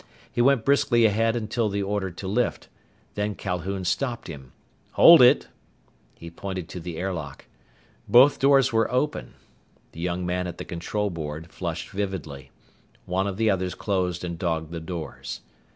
He went briskly ahead until the order to lift. Then Calhoun stopped him. "Hold it!" He pointed to the airlock. Both doors were open. The young man at the control board flushed vividly. One of the others closed and dogged the doors.